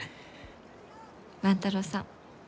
万太郎さん